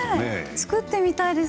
作ってみたいです。